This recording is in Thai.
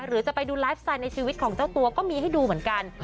หรือจะไปดูไลฟ์สไตล์ในชีวิตของเจ้าตัวก็มีให้ดูเหมือนกัน